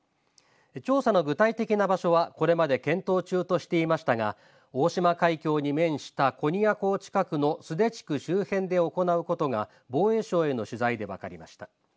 調査の具体的な場所はこれまで検討中としていましたが大島海峡に面した古仁屋港近くの須手地区周辺で行うことが防衛省への取材で分かりました。